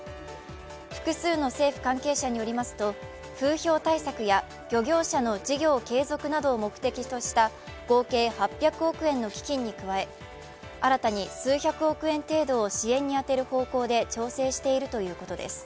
複数の政府関係者によりますと風評対策や漁業者の事業継続などを目的とした合計８００億円の基金に加え、新たに数百億円程度を支援に充てる方向で調整しているということです。